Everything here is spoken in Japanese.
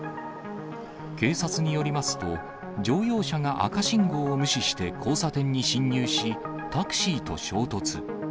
警察によりますと、乗用車が赤信号を無視して交差点に進入し、タクシーと衝突。